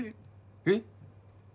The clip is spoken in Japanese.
えっ？